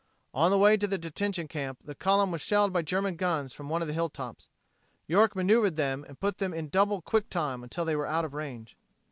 On the way to the detention camp the column was shelled by German guns from one of the hilltops. York maneuvered them and put them in double quick time until they were out of range.